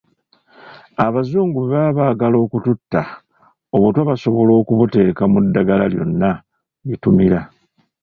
Abazungu bwe baba baagala okututta, obutwa basobola okubuteeka mu ddagala lyonna lye tumira.